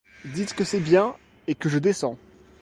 Dites que c'est bien, et que je descends.